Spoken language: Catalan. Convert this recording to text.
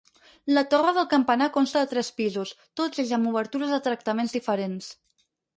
La torre del campanar consta de tres pisos, tots ells amb obertures de tractaments diferents.